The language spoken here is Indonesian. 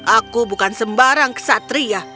aku bukan sembarang ksatria